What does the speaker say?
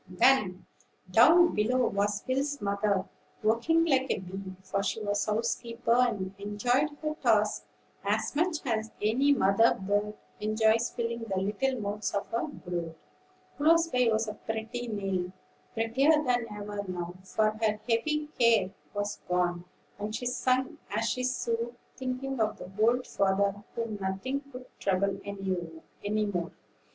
Then, down below was Will's mother, working like a bee; for she was housekeeper, and enjoyed her tasks as much as any mother bird enjoys filling the little mouths of her brood. Close by was pretty Nell, prettier than ever now; for her heavy care was gone, and she sung as she sewed, thinking of the old father, whom nothing could trouble any more.